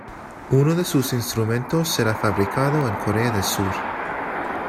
Uno de sus instrumentos será fabricado en Corea del Sur.